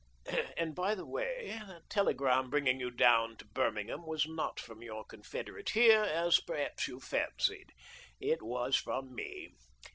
And, by the way, that telegram bringing you down to Birmingham was not from your confederate here, as perhaps you fancied. It was from me.